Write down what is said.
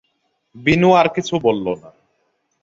বিনু আর কিছু বলল না।